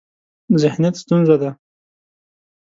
ذهنیت ستونزه ده.